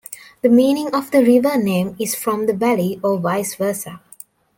The meaning of the river name is from the valley or vice versa.